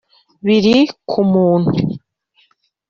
biri ku muntu: